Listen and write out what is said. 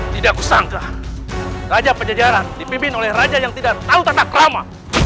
tidak kusangka raja pajajaran dipimpin oleh raja yang tidak tahu tata krama